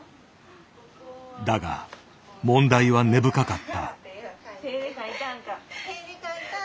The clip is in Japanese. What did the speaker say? だが問題は根深かった。